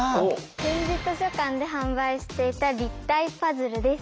点字図書館で販売していた立体パズルです。